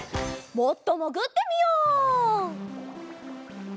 もっともぐってみよう！